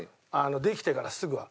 できてからすぐは。